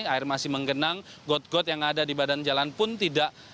air masih menggenang got got yang ada di badan jalan pun tidak